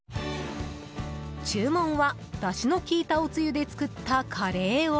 注文は、だしの効いたおつゆで作ったカレーを